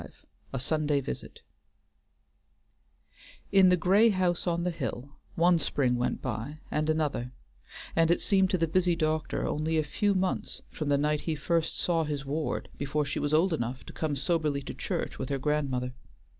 V A SUNDAY VISIT In the gray house on the hill, one spring went by and another, and it seemed to the busy doctor only a few months from the night he first saw his ward before she was old enough to come soberly to church with her grandmother.